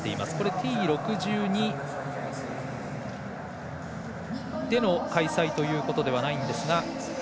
Ｔ６２での開催ということではないんですが。